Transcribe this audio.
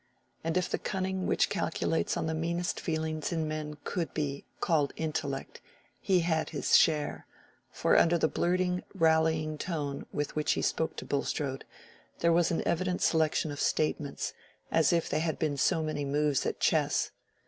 And if the cunning which calculates on the meanest feelings in men could be called intellect, he had his share, for under the blurting rallying tone with which he spoke to Bulstrode, there was an evident selection of statements, as if they had been so many moves at chess.